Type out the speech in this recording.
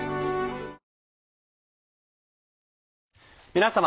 皆様。